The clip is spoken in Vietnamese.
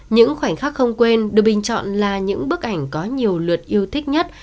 những khoảnh khắc không quên được bình chọn là những bức ảnh có nhiều lượt yêu thích nhất